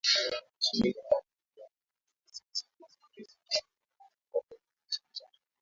Shirika la haki za binadamu inaelezea wasiwasi kuhusu kuteswa kwa wafungwa nchini Uganda